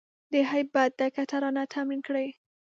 د هیبت ډکه ترانه تمرین کړی